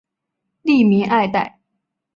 吏民爱戴。